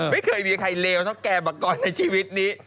ไม่เคยมีใครเลวเท่าแก่มาก่อนในชีวิตนี้